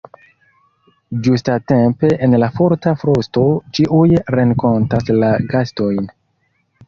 Ĝustatempe en la forta frosto ĉiuj renkontas la gastojn.